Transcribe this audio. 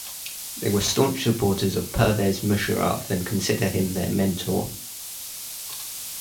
They were staunch supporters of Pervez Musharraf and consider him their mentor.